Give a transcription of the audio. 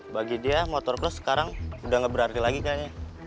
bagi dia motocross sekarang udah ga berarti lagi kayaknya